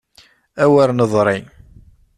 D wer neḍri!